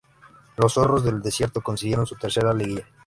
Los "zorros del desierto" consiguieron su tercera liguilla.